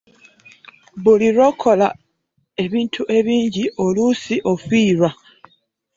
Buli lw'okola ebintu ebingi oluusi ofiirwa.